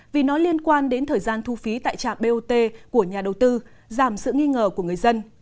vì nó liên quan đến thời gian thu phí tại trạm bot của nhà đầu tư giảm sự nghi ngờ của người dân